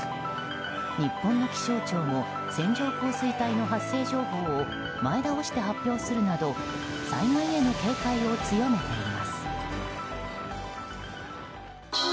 日本の気象庁も線状降水帯の発生情報を前倒して発表するなど災害への警戒を強めています。